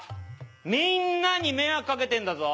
みんなに迷惑かけてんだぞ！